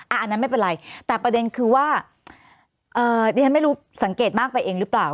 อันนั้นไม่เป็นไรแต่ประเด็นคือว่าดิฉันไม่รู้สังเกตมากไปเองหรือเปล่า